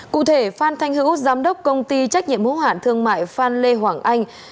cụ thể phan thanh hữu giám đốc công ty trách nhiệm hữu hạn thương mại phan lê hoàng anh